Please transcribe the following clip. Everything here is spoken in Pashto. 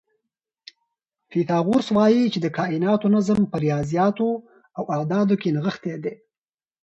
فیثاغورث وایي چې د کائناتو نظم په ریاضیاتو او اعدادو کې نغښتی دی.